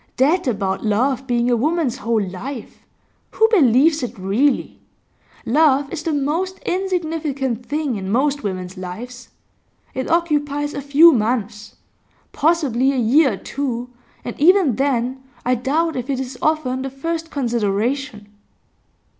That about love being a woman's whole life; who believes it really? Love is the most insignificant thing in most women's lives. It occupies a few months, possibly a year or two, and even then I doubt if it is often the first consideration.